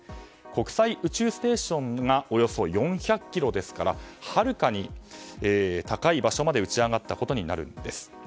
国際宇宙ステーションがおよそ４００ｋｍですからはるかに高い場所まで打ち上がったことになります。